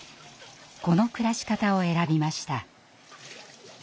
この暮らし方を選びました。